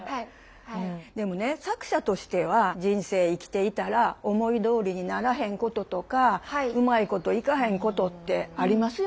でもね作者としては人生生きていたら思いどおりにならへんこととかうまいこといかへんことってありますよね。